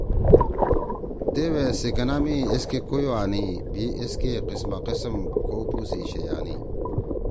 “ دیؤے سیِکنا می ایسکے کویو آنی بھی ایسکے قسماقسم کھؤپُو سی شیئی آنی۔